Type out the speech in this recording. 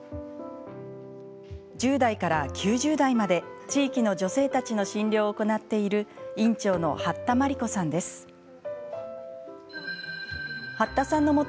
１０代から９０代まで、地域の女性たちの診療を行っている院長の八田真理子さんです。